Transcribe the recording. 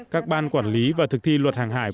các ban quản lý và thực thi luật hàng hải